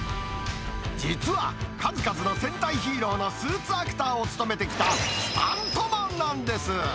実は数々の戦隊ヒーローのスーツアクターを務めてきた、スタントマンなんです。